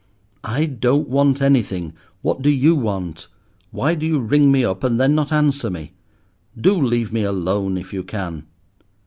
"I don't want anything. What do you want? Why do you ring me up, and then not answer me? Do leave me alone, if you can!"